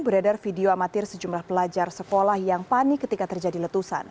beredar video amatir sejumlah pelajar sekolah yang panik ketika terjadi letusan